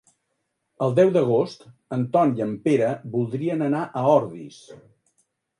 El deu d'agost en Ton i en Pere voldrien anar a Ordis.